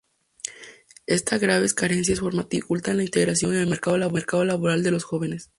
Estas graves carencias formativas dificultan la integración en el mercado laboral de los jóvenes.